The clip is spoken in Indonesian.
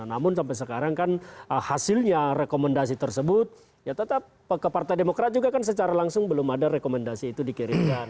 namun sampai sekarang kan hasilnya rekomendasi tersebut ya tetap ke partai demokrat juga kan secara langsung belum ada rekomendasi itu dikirimkan